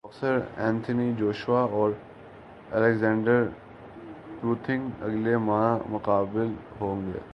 boxer Anthony Joshua اور Alexander Povetkin اگلے ماہ مقابل ہوں گے